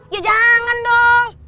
ya jangan dong